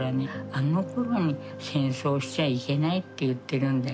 「あの頃に戦争しちゃいけないって言ってるんだよ」